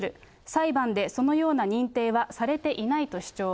裁判でそのような認定はされていないと主張。